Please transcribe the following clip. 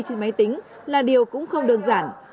trên máy tính là điều cũng không đơn giản